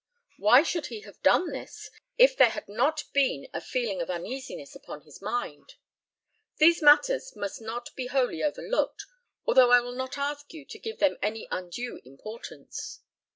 Why should he have done this if there had not been a feeling of uneasiness upon his mind? These matters must not be wholly overlooked, although I will not ask you to give them any undue importance.